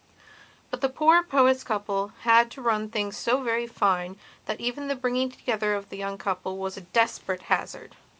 But the poor Powys couple had to run things so very fine that even the bringing together of the young people was a desperate hazard.